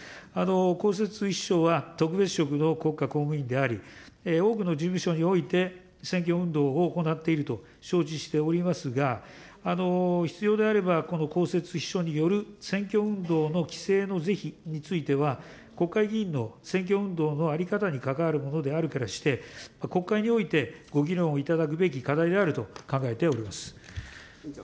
公設秘書は特別職の国家公務員であり、多くの事務所において、選挙運動を行っていると承知しておりますが、必要であれば、この公設秘書による選挙運動の規制の是非については、国会議員の選挙運動の在り方に関わるものであるからして、国会においてご議論をいただくべき課題であると考えております。